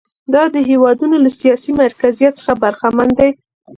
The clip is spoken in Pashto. دا هېوادونه له سیاسي مرکزیت څخه برخمن دي.